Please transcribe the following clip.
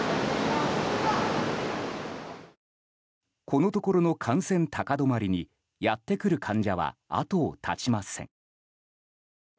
このところの感染高止まりにやってくる患者は後を絶ちません。